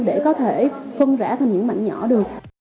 để có thể phân rã thành những mảnh nhỏ được